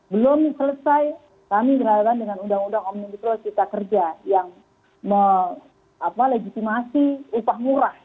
belum selesai kami berhadapan dengan undang undang omnibus law cipta kerja yang melegitimasi upah murah